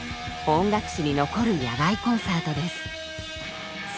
音楽史に残る野外コンサートです。